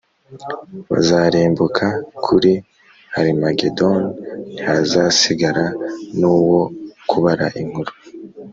bazarimbuka kuri Harimagedoni ntihazasigara nuwo kubara inkuru.